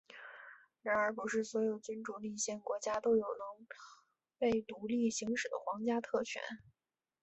然而不是所有君主立宪国家都有能被独立行使的皇家特权。